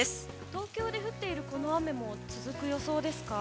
東京で降っているこの雨も続く予想ですか？